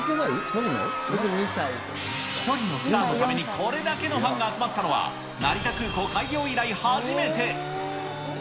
１人のスターのためにこれだけのファンが集まったのは、成田空港開業以来、初めて。